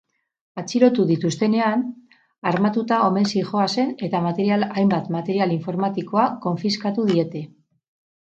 Atxilotu dituztenean, armatuta omen zihoazen eta material hainbat material informatikoa konfiskatu diete.